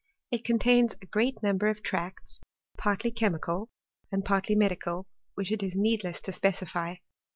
It contains A great number of tracts, partly chemical and partly medical, which it is needless to specify.